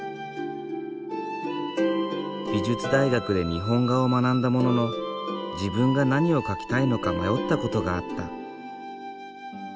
美術大学で日本画を学んだものの自分が何を描きたいのか迷った事があった。